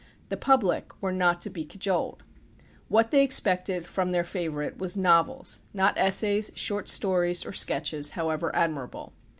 The public were not to be cajoled. What they expected from their favourite was novels, not essays, short stories, or sketches, however admirable.